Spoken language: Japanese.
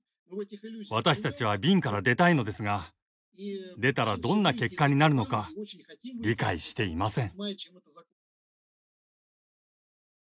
私たちは瓶から出たいのですが出たらどんな結果になるのか理解していません。